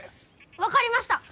分かりました。